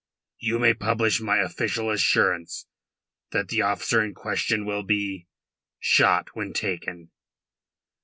You may publish my official assurance that the officer in question will be... shot when taken."